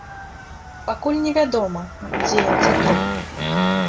Пакуль невядома, дзе ён цяпер.